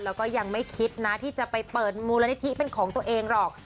แล้วก็ยังไม่คิดนะที่จะไปเปิดมูลนิธิเป็นของตัวเองหรอก